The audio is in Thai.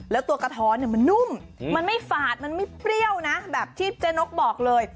แล้วตัวกระท้อนมันนุ่มมันไม่ฝาดมันไม่เปรี้ยวนะแบบที่เจ๊นกบอกเลย